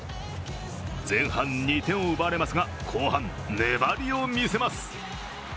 前半２点を奪われますが後半粘りを見せます。